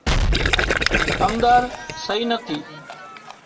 ڪمۮار سئي نٿي